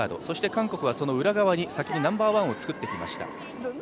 そして韓国はその裏側に先にナンバーワンを作ってきました。